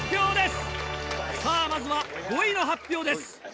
さぁまずは５位の発表です。